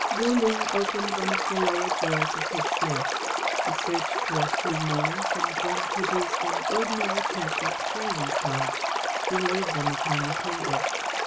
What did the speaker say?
Wu Ling opened one of the lower drawers of his desk. He searched for a few moments and then produced an ordinary pack of playing cards. He laid them upon the table.